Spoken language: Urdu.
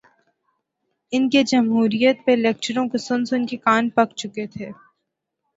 ان کے جمہوریت پہ لیکچروں کو سن سن کے کان پک چکے تھے۔